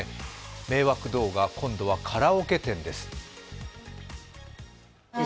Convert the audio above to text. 迷惑動画、今度はカラオケ店です。